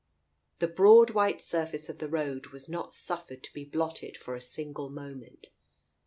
The broad white surface of the road was not suffered to be blotted for a single moment.